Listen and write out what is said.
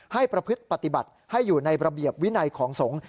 ประพฤติปฏิบัติให้อยู่ในระเบียบวินัยของสงฆ์